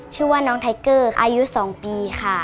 ชื่อว่าน้องไทเกอร์อายุ๒ปีค่ะ